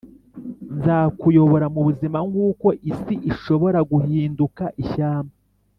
nzakuyobora mubuzima, nkuko iyi si ishobora guhinduka ishyamba,